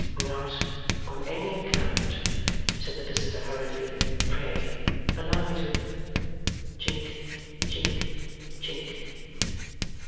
'Not on any account,' said the visitor, hurriedly. 'Pray allow me to ' chink, chink, chink.